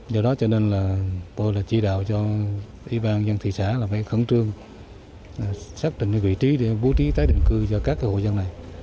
do đó cho nên là tôi là chỉ đào cho y ban dân thị xã là phải khẩn trương xác định vị trí để bố trí tái định cư cho các hội dân này